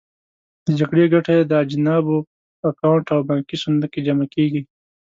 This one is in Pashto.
د جګړې ګټه یې د اجانبو په اکاونټ او بانکي صندوق کې جمع کېږي.